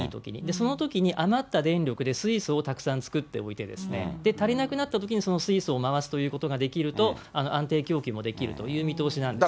そのときに余った電力で水素をたくさん作っておいて、足りなくなったときにその水素を回すということができると、安定供給もできるという見通しなんですね。